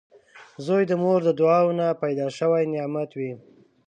• زوی د مور د دعاوو نه پیدا شوي نعمت وي